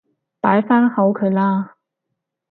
擺返好佢啦